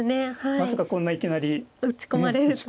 まさかこんなにいきなり。打ち込まれるとは。